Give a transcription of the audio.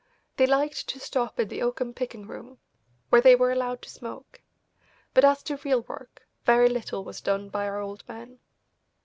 They liked to stop in the oakum picking room, where they were allowed to smoke; but as to real work, very little was done by our old men.